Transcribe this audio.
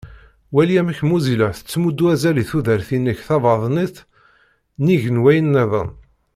Wali amek Mozilla tettmuddu azal i tudert-inek tabaḍnit nnig n wayen-nniḍen.